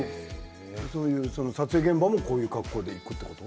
撮影現場もこういう格好で行くということ？